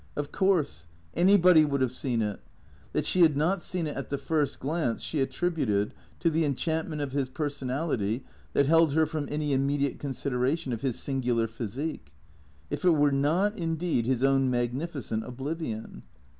Of course ; anybody would have seen it. That she had not seen it at the first glance she attributed to the enchantment of his personality that held her from any immediate consideration of his singular physique. If it were not, indeed, his own magnificent oblivion.